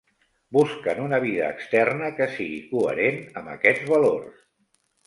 Busquen una vida externa que sigui coherent amb aquests valors.